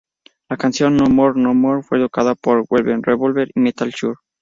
La canción "No More No More" fue tocada por Velvet Revolver y Metal Church.